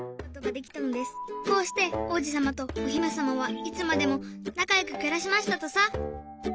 こうしておうじさまとおひめさまはいつまでもなかよくくらしましたとさ。